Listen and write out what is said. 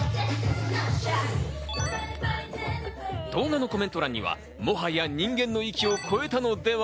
動画のコメント欄にはもはや人間の域を超えたのでは？